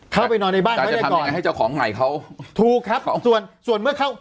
เข้าไปนอนในบ้านเขาให้ได้ก่อนถูกครับส่วนเมื่อเข้า